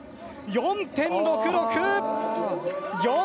４．６６。